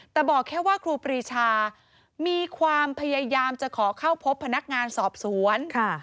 แต่บอกแค่ว่าครูปรีชามีความพยายามจะขอเข้าพบพนักงานสอบสวน